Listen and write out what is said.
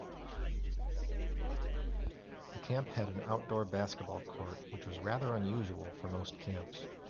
The camp had an outdoor basketball court, which was rather unusual for most camps.